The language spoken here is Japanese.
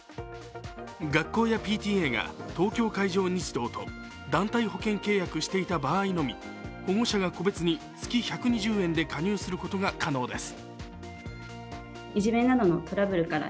学校やＰＴＡが東京海上日動と団体保険契約していた場合のみ保護者が個別に月１２０円で加入することが可能です。